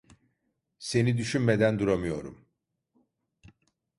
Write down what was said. Seni düşünmeden duramıyorum.